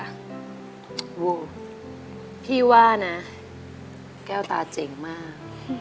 โอ้โหพี่ว่านะแก้วตาเจ๋งมาก